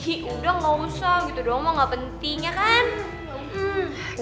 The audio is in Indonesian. ih udah gak usah gitu doang mau gak penting ya kan